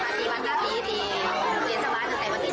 ขออนุญาตแล้วกันเรื่องนี้เนี่ยขออนุญาตแล้วกัน